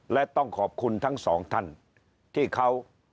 และต้องขอบคุณทั้งสองท่านที่เขา